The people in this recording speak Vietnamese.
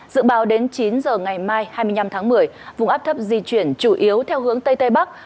dự báo đến chín giờ ngày mai hai mươi năm tháng một mươi vùng áp thấp di chuyển chủ yếu theo hướng tây tây bắc